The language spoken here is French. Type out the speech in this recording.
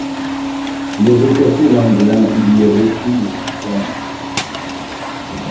Mais au café Lemblin, il y avait tumulte.